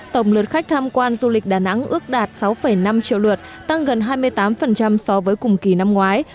tổng lượt khách tham quan du lịch đà nẵng ước đạt sáu năm triệu lượt tăng gần hai mươi tám so với cùng kỳ năm ngoái